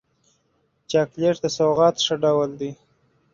چاکلېټ د سوغات ښه ډول دی.